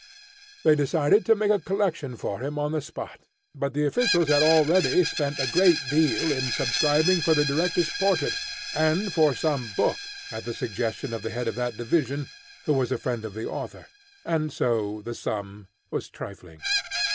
They decided to make a collection for him on the spot, but the officials had already spent a great deal in subscribing for the director's portrait, and for some book, at the suggestion of the head of that division, who was a friend of the author; and so the sum was trifling.